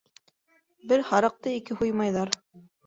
Бер һарыҡты ике һуймайҙар.